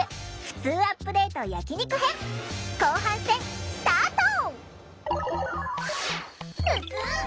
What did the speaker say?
ふつうアップデート焼き肉編後半戦スタート！